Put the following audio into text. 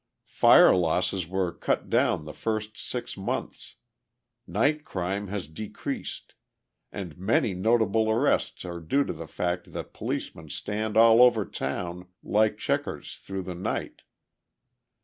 Fire losses were cut down the first six months, night crime has decreased, and many notable arrests are due to the fact that policemen stand all over town like checkers through the night.